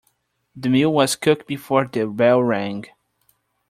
The meal was cooked before the bell rang.